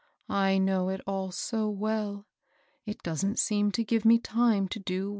I know it all so well I It doesn't seem to give me time to do '^W\.